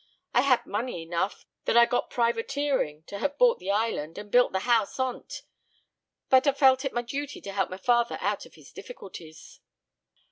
I had money enough, that I got privateering, to have bought the island, and built the house on't; but I felt it my duty to help my father out of his difficulties."